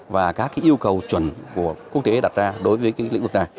và các cái yêu cầu chuẩn của quốc gia